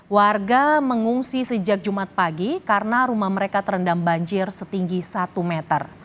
warga mengungsi sejak jumat pagi karena rumah mereka terendam banjir setinggi satu meter